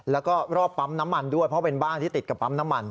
แล้วก็รอบปั๊มน้ำมันด้วยเพราะเป็นบ้านที่ติดกับปั๊มน้ำมัน